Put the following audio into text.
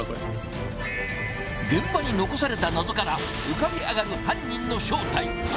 現場に残された謎から浮かび上がる犯人の正体。